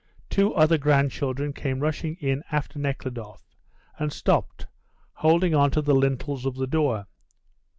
Two other grandchildren came rushing in after Nekhludoff, and stopped, holding on to the lintels of the door.